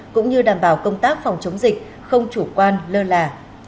cũng như đảm bảo công tác phòng chống dịch không chủ quan lơ là